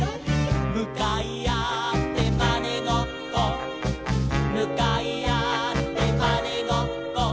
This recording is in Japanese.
「むかいあってまねごっこ」「むかいあってまねごっこ」